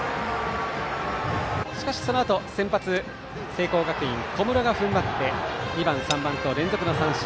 しかしそのあと先発小室が踏ん張って２番、３番と連続の三振。